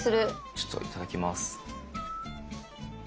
ちょっといただきます。